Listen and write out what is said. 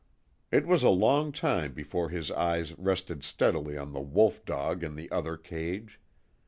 It was a long time before his eyes rested steadily on the wolf dog in the other cage.